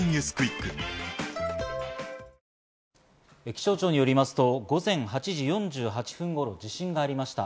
気象庁によりますと午前８時４８分頃、地震がありました。